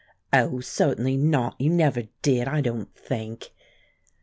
"Oh, certainly not; you never did I don't think."